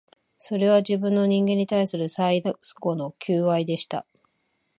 それは、自分の、人間に対する最後の求愛でした